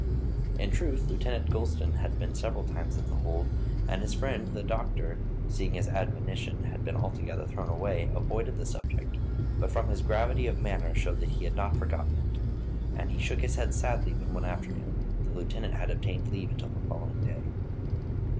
In truth, Lieutenant Gulston had been several times at The Hold, and his friend the doctor, seeing his admonition had been altogether thrown away, avoided the subject, but from his gravity of manner showed that he had not forgotten it; and he shook his head sadly when one afternoon the lieutenant had obtained leave until the following day.